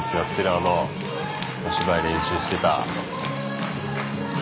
あのお芝居練習してた。